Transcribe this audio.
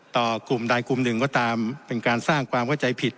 ต่อกลุ่มใดกลุ่มหนึ่งก็ตามเป็นการสร้างความเข้าใจผิด